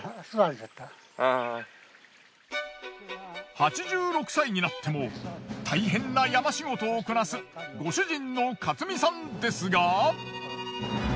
８６歳になっても大変な山仕事をこなすご主人の勝三さんですが。